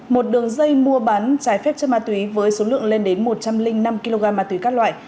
một đường dây mua bán trái phép chất ma túy với số lượng lên đến một trăm linh năm kg ma túy các loại